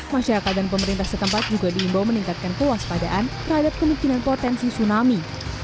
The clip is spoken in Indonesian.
masyarakat dan pemerintah setempat juga diimbau meningkatkan kewaspadaan terhadap kemungkinan potensi tsunami